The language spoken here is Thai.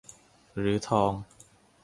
หรือทอง